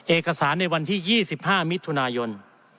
เอกสารในวันที่๒๕มิถุนายน